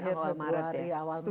februari awal maret